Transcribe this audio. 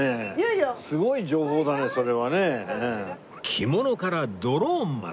着物からドローンまで